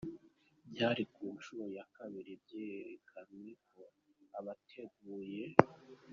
Byari kunshuro ya kabiri, byerekanye ko abateguye